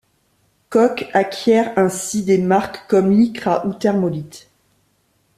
Koch acquiert ainsi des marques comme Lycra ou Thermolite.